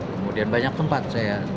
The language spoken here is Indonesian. kemudian banyak tempat saya